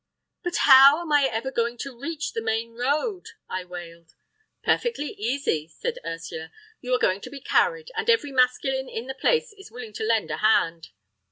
"But how am I ever going to reach the main road!" I wailed. "Perfectly easy," said Ursula. "You are going to be carried, and every masculine in the place is willing to lend a hand."